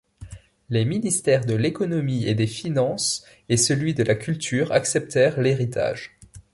Les Ministères de l'Économie et des Finances et celui de la Culture acceptèrent l'héritage.